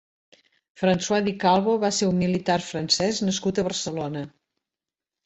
François de Calvo va ser un militar francès nascut a Barcelona.